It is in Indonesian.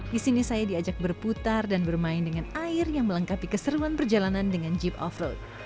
di sini saya diajak berputar dan bermain dengan air yang melengkapi keseruan perjalanan dengan jeep off road